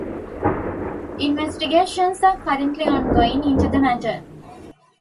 Investigations are currently ongoing into the matter.